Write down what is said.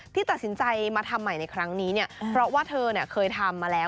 ที่ตัดสินใจมาทำใหม่ในครั้งนี้เนี่ยเพราะว่าเธอเคยทำมาแล้ว